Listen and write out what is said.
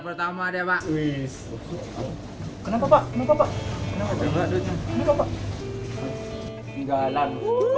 pertama deh pak kenapa pak kenapa kenapa tinggalan uh